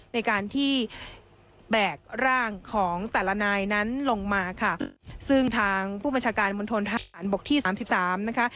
ในการที่แบกร่างของแต่ละนายนั้นลงมาค่ะซึ่งทางผู้บัญชาการมณฑนทหารบกที่สามสิบสามนะคะ